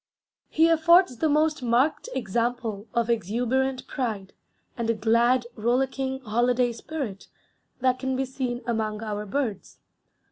He affords the most marked example of exuberant pride, and a glad, rollicking, holiday spirit, that can be seen among our birds.